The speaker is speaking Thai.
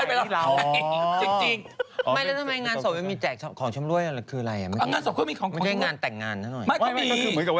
ใช่แล้วให้รับไก่ให้รับไก่ให้เร็ว